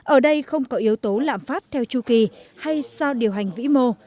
ở đây không có yếu tố lạm phát theo chu kỳ hay sau điều hành vĩ mô